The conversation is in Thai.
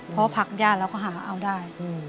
เพราะผักย่านเราก็หาเอาได้